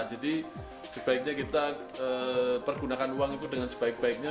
jadi sebaiknya kita pergunakan uang itu dengan sebaik baiknya